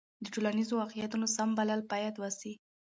د ټولنیزو واقعیتونو سم بلل باید وسي.